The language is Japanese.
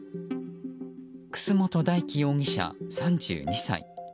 楠本大樹容疑者、３２歳。